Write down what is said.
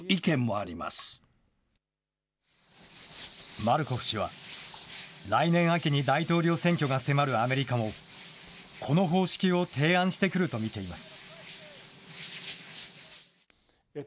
マルコフ氏は、来年秋に大統領選挙が迫るアメリカも、この方式を提案してくると見ています。